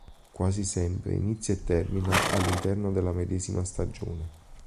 Quasi sempre inizia e termina all'interno della medesima stagione.